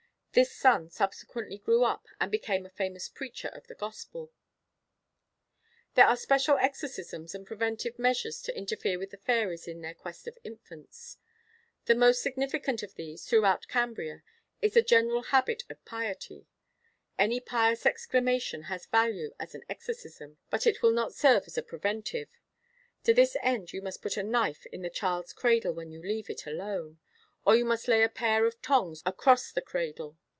This son subsequently grew up and became a famous preacher of the gospel. [Illustration: JENNET FRANCIS STRUGGLES WITH THE FAIRIES FOR HER BABY.] There are special exorcisms and preventive measures to interfere with the fairies in their quest of infants. The most significant of these, throughout Cambria, is a general habit of piety. Any pious exclamation has value as an exorcism; but it will not serve as a preventive. To this end you must put a knife in the child's cradle when you leave it alone, or you must lay a pair of tongs across the cradle.